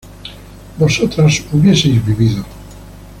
vosotras hubieseis vivido